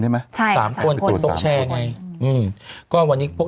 มมมมมมมม